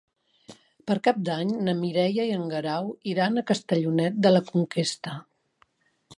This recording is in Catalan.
Per Cap d'Any na Mireia i en Guerau iran a Castellonet de la Conquesta.